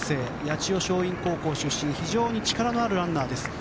八千代松陰高校出身で非常に力のあるランナーです。